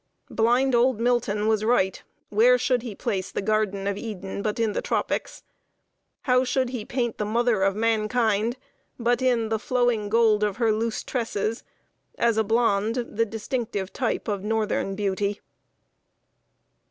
Blind old Milton was right. Where should he place the Garden of Eden but in the tropics? How should he paint the mother of mankind but in "The flowing gold Of her loose tresses," as a blonde the distinctive type of northern beauty?